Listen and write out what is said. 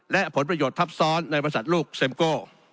และผลประโยชน์ทับซ้อนในบริษัทลูกเซ็มโก้